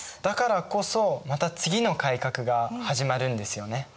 だからこそまた次の改革が始まるんですよね。